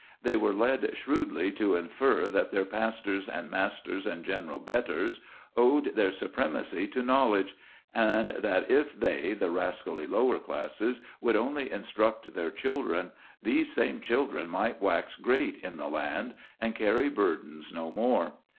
They were led shrewdly to infer that their pastors and masters and general betters owed their supremacy to knowledge; and that if they, the rascally lower classes, would only instruct their children, these same children might wax great in the land and carry burdens no more.